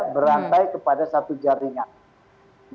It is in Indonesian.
berantai kepada satu jaringan